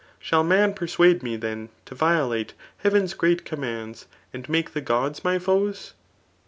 Shall man persuade me, then,, to violate^ Heaven's great commands, and make the gods my foei